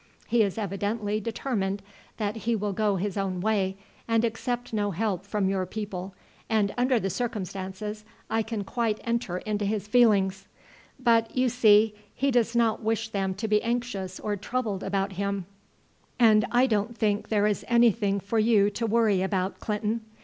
He is evidently determined that he will go his own way and accept no help from your people, and under the circumstances I can quite enter into his feelings; but, you see, he does not wish them to be anxious or troubled about him, and I don't think there is anything for you to worry about, Clinton.